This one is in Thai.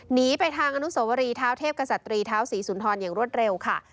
หนีไปทางอนุสวรีเท้าเทพกษัตรีท้าวศรีสุนทรอย่างรวดเร็วค่ะ